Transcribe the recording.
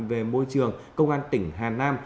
về môi trường công an tỉnh hà nam